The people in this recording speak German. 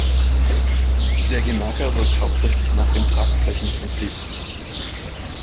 Der Gennaker wirkt hauptsächlich nach dem Tragflächen-Prinzip.